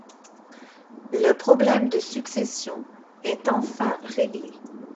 Le problème de succession était enfin réglé.